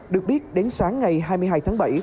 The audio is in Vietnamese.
được biết đến sáng ngày hai mươi hai tháng bảy